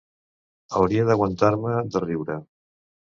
Hauria d'aguantar-me de riure.